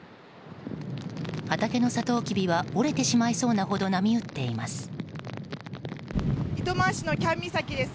畑のサトウキビは折れてしまいそうなほど糸満市の喜屋武岬です。